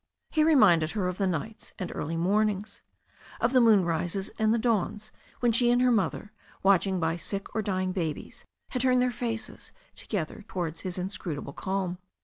He reminded her of the nights and early mornings, of the moon rises and tk^ dawns when she and her mother, watching by sick or dying^babies, had turned their faces together towards his inscrutable calm.